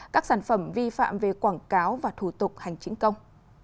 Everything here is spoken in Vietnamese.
các sản phẩm vi phạm về quảng cáo và thủ tục hành chính công